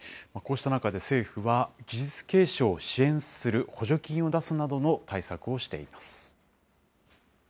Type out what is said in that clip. こうした中で、政府は技術継承を支援する補助金を出すなどの対策をしています。